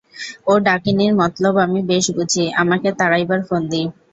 ও ডাকিনীর মতলব আমি বেশ বুঝি, আমাকে তাড়াইবার ফন্দি।